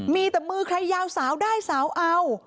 มีแต่มือใครยาวสาวได้สาวเอา